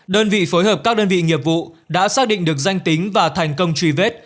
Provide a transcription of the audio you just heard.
đơn vị phối hợp các đơn vị nghiệp vụ đã xác định được danh tính và thành công truy vết